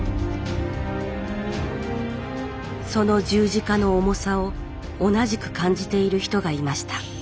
その十字架の重さを同じく感じている人がいました。